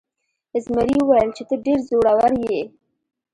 زمري وویل چې ته ډیر زړور یې.